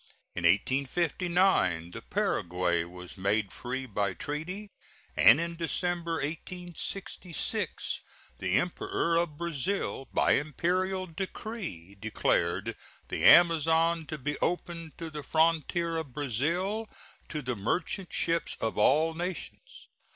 In 1859 the Paraguay was made free by treaty, and in December, 1866, the Emperor of Brazil by imperial decree declared the Amazon to be open to the frontier of Brazil to the merchant ships of all nations.